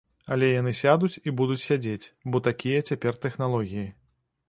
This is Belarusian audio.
Але яны сядуць і будуць сядзець, бо такія цяпер тэхналогіі.